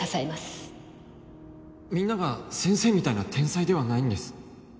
みんなが先生みたいな天才ではないんです。